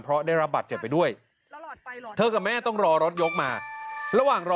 เพราะได้รับบัตรเจ็บไปด้วยเธอกับแม่ต้องรอรถยกมาระหว่างรอ